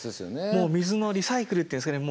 もう水のリサイクルっていうんですかね